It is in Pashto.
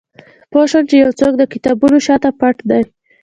پوه شوم چې یو څوک د کتابونو شاته پټ دی